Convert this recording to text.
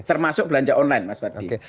termasuk belanja online mas ferdi